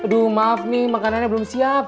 aduh maaf nih makanannya belum siap